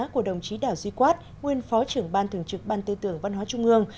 của đồng chí đảo duy quát nguyên phó trưởng ban thường trực ban tư tưởng văn hóa trung ương